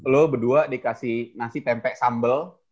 lo berdua dikasih nasi tempe sambal